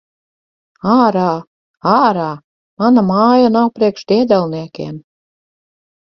Ārā! Ārā! Mana māja nav priekš diedelniekiem!